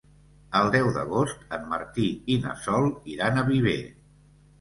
El deu d'agost en Martí i na Sol iran a Viver.